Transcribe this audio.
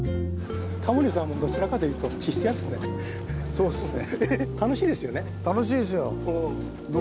そうですね。